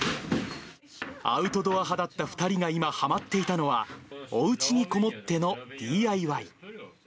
アウトドア派だった２人が今、はまっていたのは、おうちにこもってのＤＩＹ。